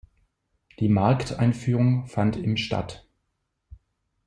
Die Markteinführung fand im statt.